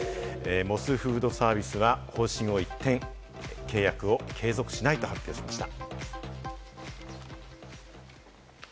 モスフードサービスが方針を一転、契約を継続しないと発表しました。